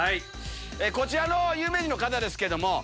こちらの有名人の方ですけども。